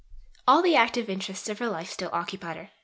II All the active interests of her life still occupied her.